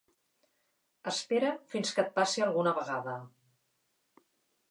Espera fins que et passi alguna vegada.